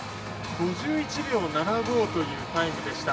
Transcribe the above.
５１秒７５というタイムでした。